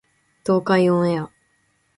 東海オンエア